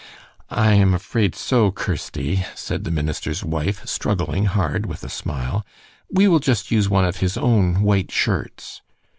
"I am afraid so, Kirsty," said the minister's wife, struggling hard with a smile. "We will just use one of his own white shirts."